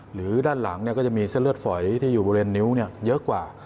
หรือด้านหลังก็จะมีเส้นเลือดฝอยที่อยู่บริเวณนิ้วเยอะกว่า